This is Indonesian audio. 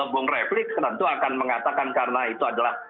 bu refli tentu akan mengatakan karena itu adalah